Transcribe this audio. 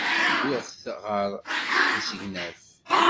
Wwiɣ-t ɣer usegnaf.